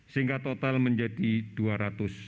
sehingga total menjadi satu ratus sembilan puluh dua orang